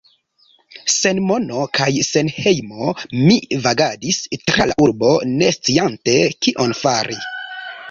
Sen mono kaj sen hejmo mi vagadis tra la urbo, ne sciante kion fari...